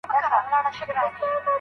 بازاريان به څومره قيمت وټاکي؟